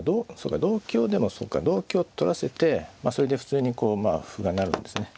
同香でもそうか同香と取らせてそれで普通にこうまあ歩が成るんですね。